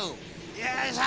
よいしょ！